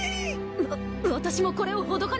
わ私もこれをほどかねば！